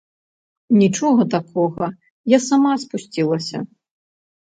Нічога такога, я сама спусцілася.